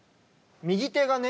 右手がね